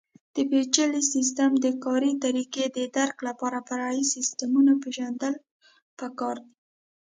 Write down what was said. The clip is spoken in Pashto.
د پېچلي سیسټم د کار طریقې د درک لپاره فرعي سیسټمونه پېژندل پکار دي.